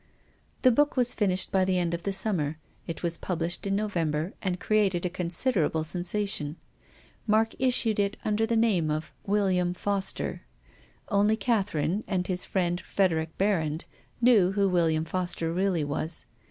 The book was finished by the end of the sum mer. It was published in November and created a considerable sensation. Mark issued it under the name of " William Foster." Only Catherine and his friend Frederic Bcrrand knew who Will iam Foster really was.